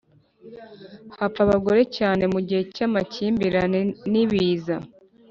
Hapfa abagore cyane mu gihe cy amakimbirane n ibiza